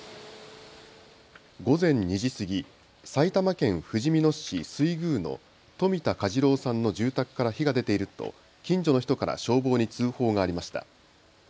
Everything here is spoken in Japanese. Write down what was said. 午前２時過ぎ、埼玉県ふじみ野市水宮の冨田嘉次郎さんの住宅から火が出ていると近所の人から消防に通報がありました。